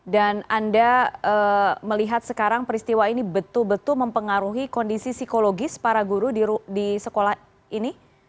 dan anda melihat sekarang peristiwa ini betul betul mempengaruhi kondisi psikologis para guru di sekolah ini